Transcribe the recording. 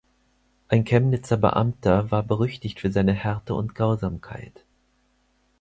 Ein Chemnitzer Beamter war berüchtigt für seine Härte und Grausamkeit.